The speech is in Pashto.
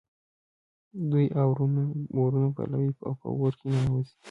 دوی اورونه بلوي او په اور کې ننوزي.